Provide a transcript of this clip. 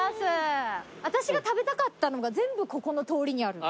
私が食べたかったのが全部ここの通りにある。